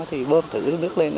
thì bơm thử nước lên